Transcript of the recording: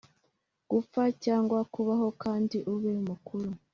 gupfa cyangwa kubaho kandi ube mukuru